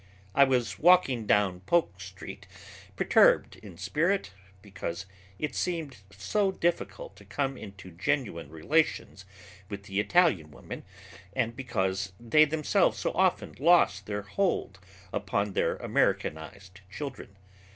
I was walking down Polk Street, perturbed in spirit, because it seemed so difficult to come into genuine relations with the Italian women and because they themselves so often lost their hold upon their Americanized children.